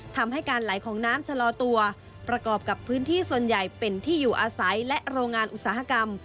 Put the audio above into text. ทำให้การไหลของน้ำชะลอตัวประกอบกับพื้นที่ส่วนใหญ่เป็นที่อยู่อาศัยและโรงงานอุตสาหกรรม